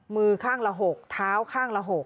มือข้างละ๖เท้าข้างละ๖